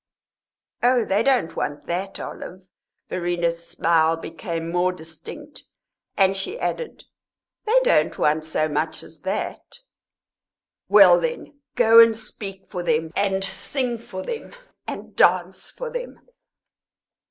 "Oh, they don't want that, Olive." Verena's smile became more distinct, and she added: "They don't want so much as that!" "Well, then, go in and speak for them and sing for them and dance for them!"